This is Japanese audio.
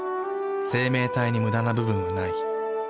生命体にムダな部分はない。